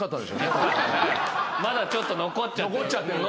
まだちょっと残っちゃってる。